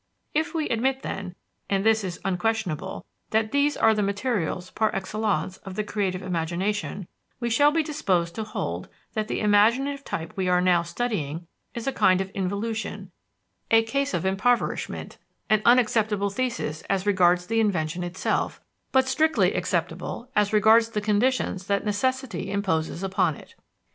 If we admit, then, and this is unquestionable that these are the materials par excellence of the creative imagination, we shall be disposed to hold that the imaginative type we are now studying is a kind of involution, a case of impoverishment an unacceptable thesis as regards the invention itself, but strictly acceptable as regards the conditions that necessity imposes upon it.